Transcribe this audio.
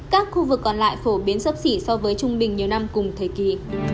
các khu vực còn lại phổ biến sấp xỉ so với trung bình nhiều năm cùng thời kỳ